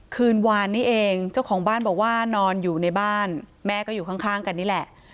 คืนวานนี้เองเจ้าของบ้านบอกว่านอนอยู่ในบ้านแม่ก็อยู่ข้างกันนี่แหละ